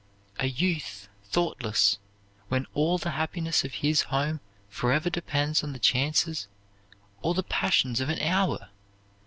"A youth thoughtless, when all the happiness of his home forever depends on the chances or the passions of an hour!"